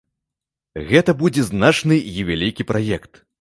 Гэта будзе значны і вялікі праект.